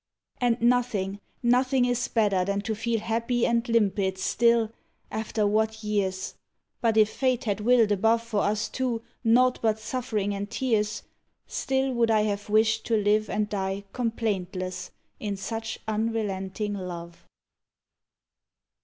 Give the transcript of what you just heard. And nothing, nothing is better than to feel Happy and limpid still after what years? But if fate had willed above For us two naught but suffering and tears, Still, would I have wished to live and die Complaintless, in such unrelenting love!